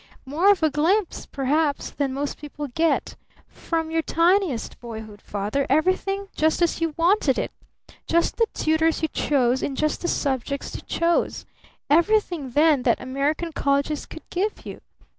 More of a glimpse, perhaps, than most people get. From your tiniest boyhood, Father, everything just as you wanted it! Just the tutors you chose in just the subjects you chose! Everything then that American colleges could give you!